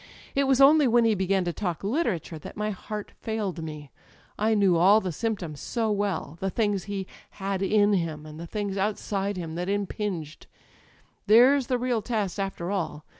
It was only when he began to talk literature that my heart failed me. I knew all the sjonptoms so well â€" the things he "^had 'in him,' and the things outside him that impinged} There's the real test, after all.